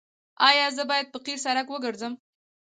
ایا زه باید په قیر سړک وګرځم؟